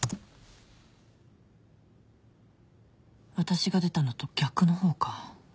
私が出たのと逆の方か。